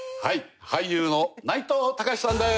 俳優の内藤剛志さんです。